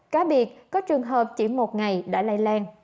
cá biệt có trường hợp chỉ một ngày đã lây lan